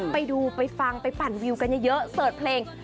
ไปดูไปฟังไปปั่นวิวกันเยอะเสิร์ชเพลง